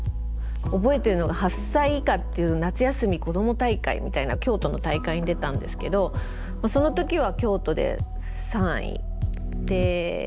覚えてるのが８歳以下っていう夏休み子ども大会みたいな京都の大会に出たんですけどその時は京都で３位で。